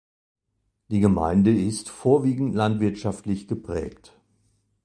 Die Gemeinde ist vorwiegend landwirtschaftlich geprägt.